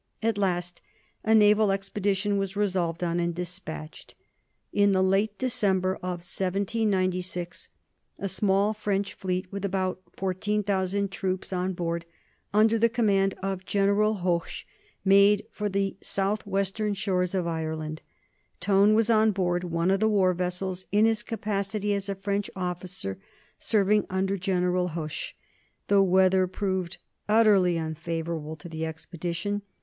At last a naval expedition was resolved on and despatched. In the late December of 1796 a small French fleet, with about 14,000 troops on board, under the command of General Hoche, made for the southwestern shores of Ireland. Tone was on board one of the war vessels in his capacity as a French officer serving under General Hoche. The weather proved utterly unfavorable to the expedition.